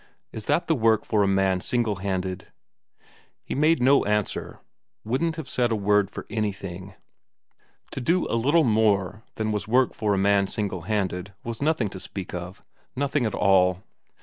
"Is that work for a man single handed?" He made no answer; wouldn't have said a word for anything. To do a little more than was work for a man single handed was nothing to speak of nothing at all.